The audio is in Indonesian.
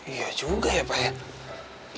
iya juga ya pak